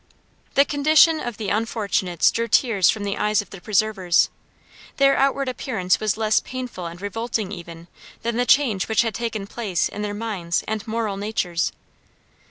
The condition of the unfortunates drew tears from the eyes of their preservers. Their outward appearance was less painful and revolting, even, than the change which had taken place in their minds and moral natures.